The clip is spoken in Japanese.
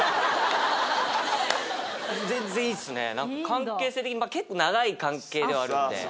関係性的に結構長い関係ではあるんで。